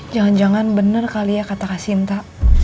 jangan jangan bener kali ya kata kasinta